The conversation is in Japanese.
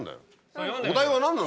お題は何なの？